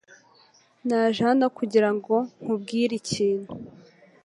Naje hano kugira ngo nkubwire ikintu .